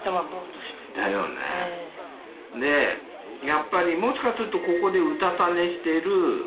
やっぱりもしかするとここでうたた寝してる。